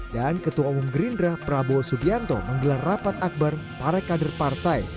dan ketua umum gerindra prabowo subianto menggelar rapat akbar para kader partai